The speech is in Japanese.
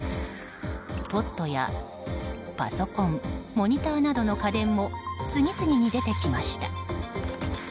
乗用車のバンパーやポットやパソコンモニターなどの家電も次々に出てきました。